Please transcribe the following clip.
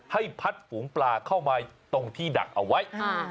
ให้พัดฝูงปลาเข้ามาตรงที่ดักเอาไว้